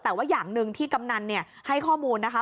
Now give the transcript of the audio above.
แต่ว่าอย่างหนึ่งที่กำนันให้ข้อมูลนะคะ